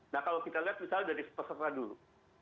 nah kalau kita lihat misalnya dari peserta dulu